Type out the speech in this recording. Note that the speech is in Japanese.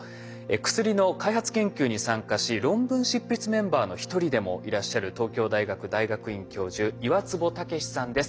薬の開発研究に参加し論文執筆メンバーの一人でもいらっしゃる東京大学大学院教授岩坪威さんです。